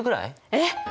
えっ！